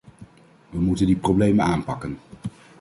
We moeten die problemen aanpakken.